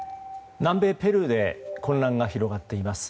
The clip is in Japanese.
南米ペルーで混乱が広がっています。